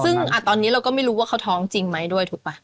ซึ่งตอนนี้เราก็ไม่รู้ว่าเขาท้องจริงไหมด้วยถูกป่ะ